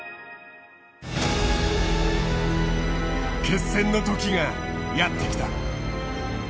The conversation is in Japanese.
決戦の時がやって来た。